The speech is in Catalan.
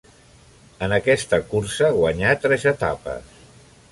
En aquesta cursa guanyà tres etapes.